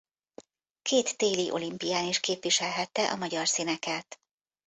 Két téli olimpián is képviselhette a magyar színeket.